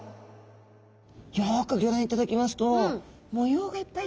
よくギョ覧いただきますと模様がいっぱいついてますよね。